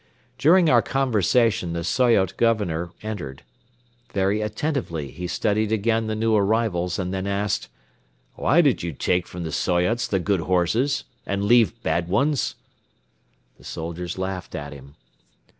During our conversation the Soyot Governor entered. Very attentively he studied again the new arrivals and then asked: "Why did you take from the Soyots the good horses and leave bad ones?" The soldiers laughed at him.